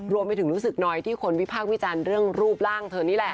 รวมไปถึงรู้สึกน่อยที่คนวิพากษ์วิจารณ์เรื่องรูปร่างเท่านี้แหละ